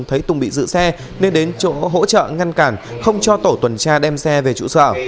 thấy tùng bị giữ xe nên đến chỗ hỗ trợ ngăn cản không cho tổ tuần tra đem xe về trụ sở